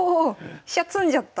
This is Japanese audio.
飛車詰んじゃった！